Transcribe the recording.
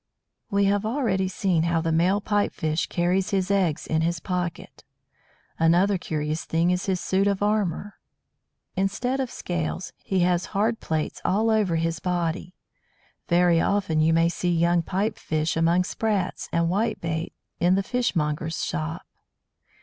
We have already seen how the male Pipe fish carries his eggs in his "pocket." Another curious thing is his suit of armour. Instead of scales, he has hard plates all over his body. Very often you may see young Pipe fish among Sprats and "Whitebait" in the fishmonger's shop.